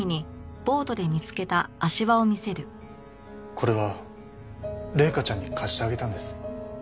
これは麗華ちゃんに貸してあげたんです。